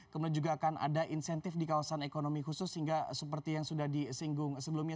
kemudian juga akan ada insentif di kawasan ekonomi khusus sehingga seperti yang sudah disinggung sebelumnya